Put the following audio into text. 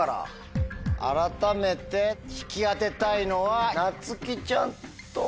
改めて引き当てたいのはなつきちゃんと。